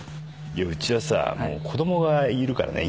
うちはさ子供がいるからね